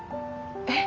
えっ！？